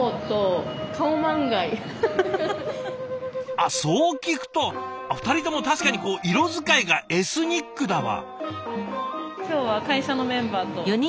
あっそう聞くと２人とも確かにこう色使いがエスニックだわ。